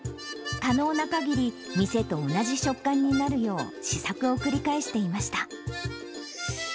可能なかぎり、店と同じ食感になるよう試作を繰り返していました。